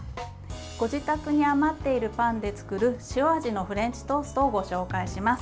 ご自宅に余っているパンで作る塩味のフレンチトーストをご紹介します。